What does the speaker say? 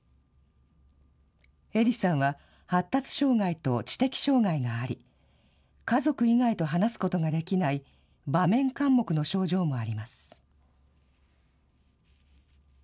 えりさんは発達障害と知的障害があり、家族以外と話すことができない、場面かん黙の症状もあります。